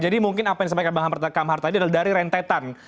jadi mungkin apa yang sampaikan bang kamar tadi adalah dari rentetan